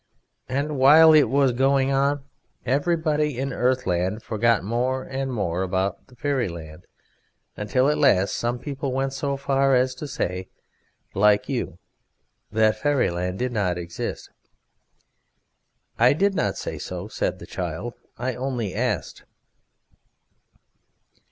And while it was going on everybody in Earthland forgot more and more about Fairyland, until at last some people went so far as to say, like you, that Fairyland did not exist." "I did not say so," said the child, "I only asked."